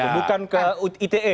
bukan ke ite